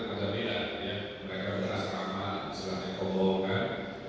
pesantren menjelaskan mereka berasa aman selalu berkomunikasi